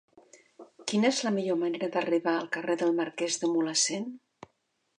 Quina és la millor manera d'arribar al carrer del Marquès de Mulhacén?